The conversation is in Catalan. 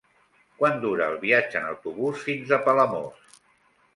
Quant dura el viatge en autobús fins a Palamós?